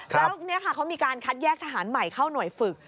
แล้วนี่ค่ะเขามีการคัดแยกทหารใหม่เข้าหน่วยฝึก